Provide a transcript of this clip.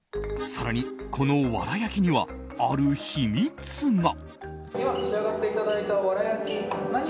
更に、このわら焼きにはある秘密が。